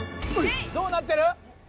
どうなってる？